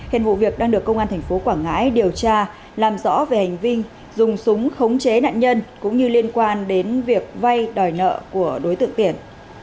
hiện vụ việc đang được công an thành phố quảng ngãi điều tra làm rõ về hành vi dùng súng khống chế nạn nhân cũng như liên quan đến việc vay đòi nợ của đối tượng tiển